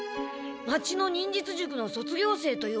町の忍術塾の卒業生というわけ？